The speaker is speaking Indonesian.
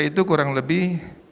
itu kurang lebih